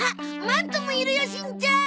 マントもいるよしんちゃん！